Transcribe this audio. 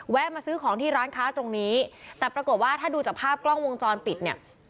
มาซื้อของที่ร้านค้าตรงนี้แต่ปรากฏว่าถ้าดูจากภาพกล้องวงจรปิดเนี่ย